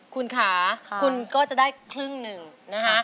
คุณค่ะคุณก็จะได้ครึ่งหนึ่งนะคะ